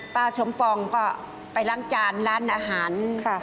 ป้าสมปองก็ไปล้างจานร้านอาหารค่ะ